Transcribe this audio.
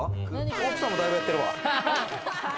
奥さんもだいぶやってるわ。